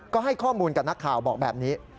ก็ให้ข้อมูลกับนักข่าวบอกแบบนี้